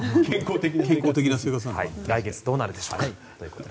来月どうなるでしょうか。